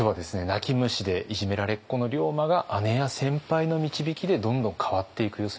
泣き虫でいじめられっ子の龍馬が姉や先輩の導きでどんどん変わっていく様子を見てきました。